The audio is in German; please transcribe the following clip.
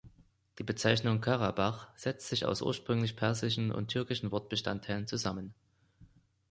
Die Bezeichnung Karabach setzt sich aus ursprünglich persischen und türkischen Wortbestandteilen zusammen.